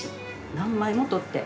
何枚も撮って。